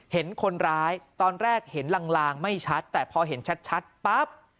เห็นคนร้ายตอนแรกเห็นลางไม่ชัดแต่พอเห็นชัดปั๊บ